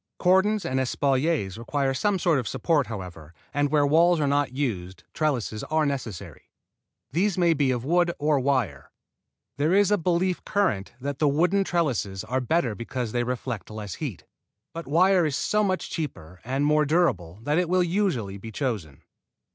Cordons and espaliers require some sort of support, however, and where walls are not used trellises are necessary. These may be of wood or wire. There is a belief current that the wooden trellises are better because they reflect less heat, but wire is so much cheaper and more durable that it will usually be chosen.